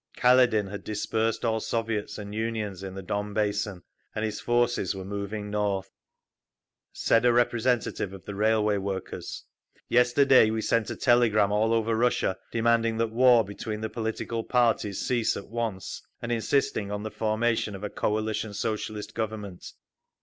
Kaledin had dispersed all Soviets and Unions in the Don Basin, and his forces were moving north…. Said a representative of the Railway Workers: "Yesterday we sent a telegram all over Russia demanding that war between the political parties cease at once, and insisting on the formation of a coalition Socialist Government.